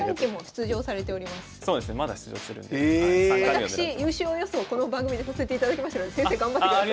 私優勝予想この番組でさせていただきましたので先生頑張ってください。